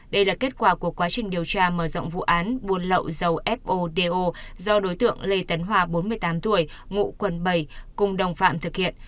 đây là kết quả của quá trình điều tra mở rộng vụ án buôn lậu dầu fo do đối tượng lê tấn hòa bốn mươi tám tuổi ngụ quận bảy cùng đồng phạm thực hiện